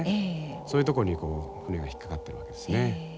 そういうとこに船が引っ掛かってるわけですね。